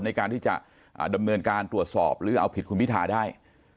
ในการที่จะดำเนินการตรวจสอบหรือเอาผิดคุณพิทาได้